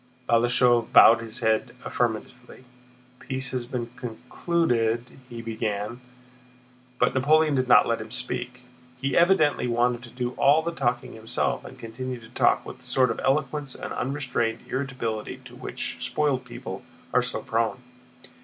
Balashëv bowed his head affirmatively. "Peace has been concluded..." he began. But Napoleon did not let him speak. He evidently wanted to do all the talking himself, and continued to talk with the sort of eloquence and unrestrained irritability to which spoiled people are so prone.